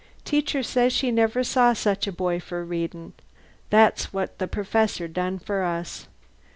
Teacher says she never saw such a boy for readin'. That's what Perfessor done for us!